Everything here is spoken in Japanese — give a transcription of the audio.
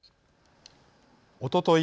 おととい